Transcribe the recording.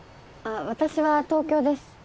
あっ私は東京です。